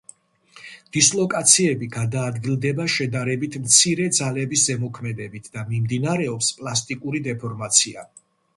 დისლოკაციები გადაადგილდება შედარებით მცირე ძალების ზემოქმედებით და მიმდინარეობს პლასტიკური დეფორმაცია.